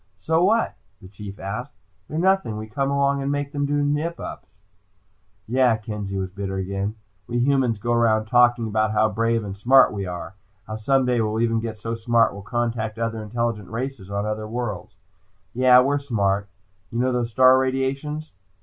"So what?" the Chief asked. "They're nothing. We come along and make them do nip ups." "Yeah," Kenzie was bitter again. "We humans go around talking about how brave and smart we are. How someday we might even get so smart we'll contact other intelligent races on other worlds. Yeah, we're smart. You know those star radiations?"